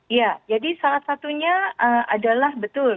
iya jadi salah satunya adalah betul